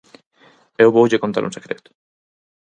Eu voulle contar un secreto.